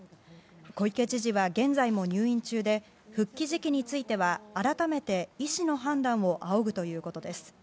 小池知事は現在も入院中で復帰時期については改めて医師の判断を仰ぐということです。